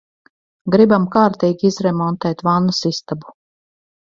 Gribam kārtīgi izremontēt vannasistabu.